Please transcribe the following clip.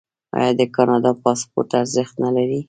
آیا د کاناډا پاسپورت ارزښت نلري؟